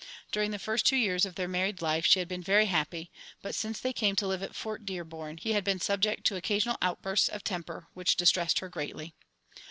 During the first two years of their married life, she had been very happy, but since they came to live at Fort Dearborn, he had been subject to occasional outbursts of temper which distressed her greatly.